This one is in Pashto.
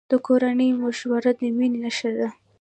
د کورنۍ مشوره د مینې نښه ده.